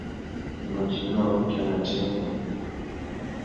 A mà dinga urukia a nà tsirândone.